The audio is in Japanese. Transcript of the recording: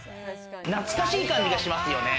懐かしい感じがしますよね。